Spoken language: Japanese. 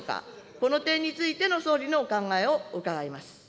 この点についての総理のお考えを伺います。